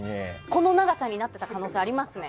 この長さになっていた可能性ありますね。